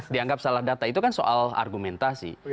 dianggap salah data itu kan soal argumentasi